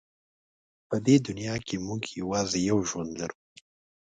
په دې دنیا کې موږ یوازې یو ژوند لرو.